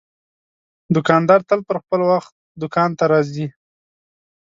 دوکاندار تل پر وخت دوکان ته راځي.